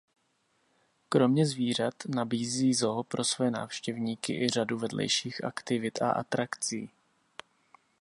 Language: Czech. Kromě zvířat nabízí zoo pro své návštěvníky i řadu vedlejších aktivit a atrakcí.